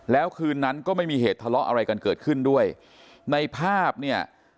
แล้วคืนนั้นก็ไม่มีเหตุทะเลาะอะไรกันเกิดขึ้นด้วยในภาพเนี่ย